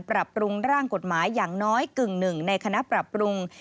ปรับปรุงร่างกฎหมายอย่างน้อยกึ่งหนึ่งในคณะปรับปรุง